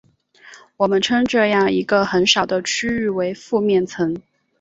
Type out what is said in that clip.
我们称这样一个很小的区域为附面层。